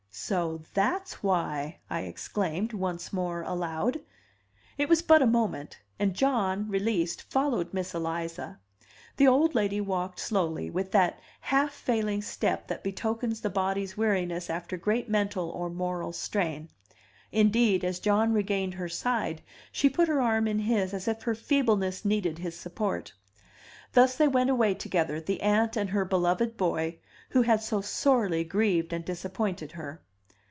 "So that's why!" I exclaimed, once more aloud. It was but a moment; and John, released, followed Miss Eliza. The old lady walked slowly, with that half failing step that betokens the body's weariness after great mental or moral strain. Indeed, as John regained her side, she put her arm in his as if her feebleness needed his support. Thus they went away together, the aunt and her beloved boy, who had so sorely grieved and disappointed her.